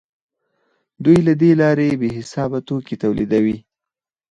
دوی له دې لارې بې حسابه توکي تولیدوي